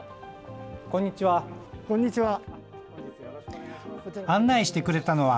こんにちは。